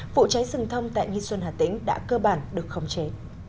vụ cháy rừng thông tại nghi xuân hà tĩnh đã cơ bản được khống chế